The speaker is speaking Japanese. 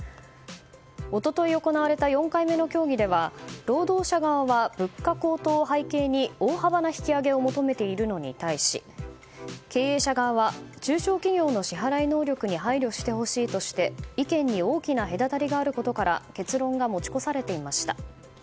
一昨日行われた４回目の協議では労働者側は物価高騰を背景に大幅な引き上げを求めているのに対し経営者側は中小企業の支払い能力に配慮してほしいとして意見に大きな隔たりがあることから結論が持ち越されていました。